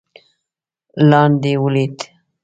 لاندې ولوېد.